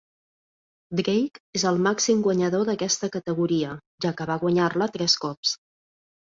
Drake és el màxim guanyador d"aquesta categoria, ja que va guanyar-la tres cops.